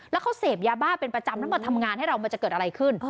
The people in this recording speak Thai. แล้วเขาเสพยาบ้าเป็นประจำแล้วมาทำงานให้เรามันจะเกิดอะไรขึ้น